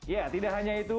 ya tidak hanya itu